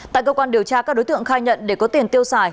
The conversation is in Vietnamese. tại cơ quan điều tra các đối tượng khai nhận để có tiền tiêu xài